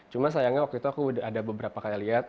cuma sayangnya waktu itu aku ada beberapa kali lihat